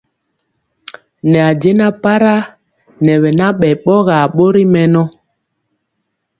Ne jɛna para nɛ bɛ nabɛ bɔgar bori mɛnɔ.